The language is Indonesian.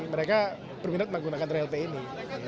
mereka berminat menggunakan relt ini